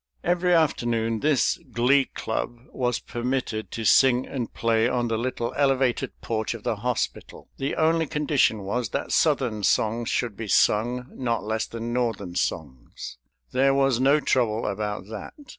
Every afternoon this Glee Club was permitted to sing and play on the little elevated porch of the hospital. The only condition was that Southern songs should be sung, not less than Northern songs. There was no trouble about that.